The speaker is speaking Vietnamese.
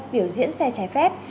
biểu diễn xe trái phép